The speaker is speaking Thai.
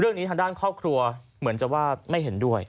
เรื่องนี้ทางด้านครอบครัวเหมือนจะว่าไม่เห็นด้วย